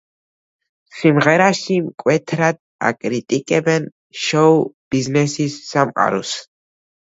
სიმღერაში მკვეთრად აკრიტიკებენ შოუ-ბიზნესის სამყაროს.